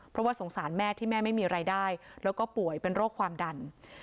เพราะว่าสงสารแม่ที่แม่ไม่มีรายได้แล้วก็ป่วยเป็นโรคความดัน